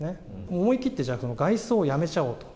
思い切って外装をやめちゃおうと。